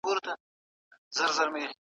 سرمایوي اجناس به بشري ځواک بې کاره نه کړي.